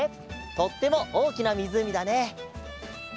とってもおおきなみずうみだね。